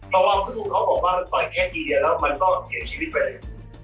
เพราะว่าพึ่งเขาบอกว่ามันต่อยแค่ทีเดียวแล้วมันก็เสียชีวิตไปเลย